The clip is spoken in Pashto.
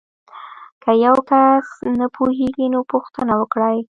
که یو کس نه پوهیږي نو پوښتنه وکړئ.